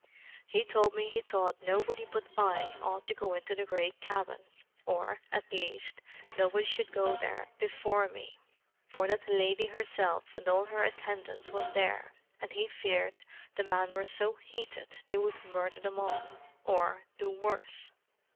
He told me he thought nobody but I ought to go into the great cabin, or, at least, nobody should go there before me; for that the lady herself and all her attendance was there, and he feared the men were so heated they would murder them all, or do worse.